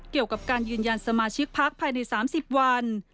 เกี่ยวกับการยืนยันสมาชิกพักภายใน๓๐วัน